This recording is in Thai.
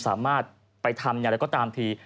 สามารถไปทำอย่างไรก็ตามที